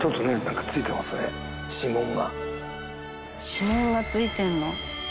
「指紋が付いてるの」